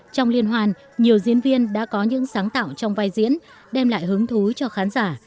trong liên hoàn nhiều diễn viên đã có những sáng tạo trong vai diễn đem lại hứng thú cho khán giả